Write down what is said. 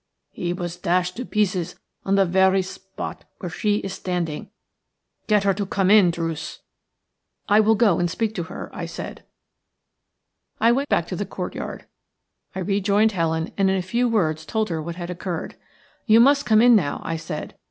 He was dashed to pieces on the very spot where she is standing. Get her to come in, Druce." "I will go and speak to her," I said. I went back to the courtyard. I rejoined Helen, and in a few words told her what had occurred. "You must come in now," I said.